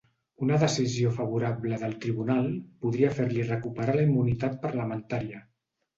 Una decisió favorable del tribunal podria fer-li recuperar la immunitat parlamentària.